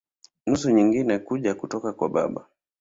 Nusu nyingine kuja kutoka kwa baba.